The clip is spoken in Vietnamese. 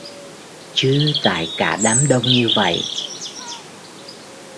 chứ tại cả đám đông như vậy